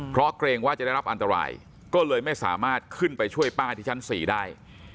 เพราะเกรงว่าจะได้รับอันตรายก็เลยไม่สามารถขึ้นไปช่วยป้าที่ชั้น๔ได้